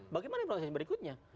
bagaimana informasi berikutnya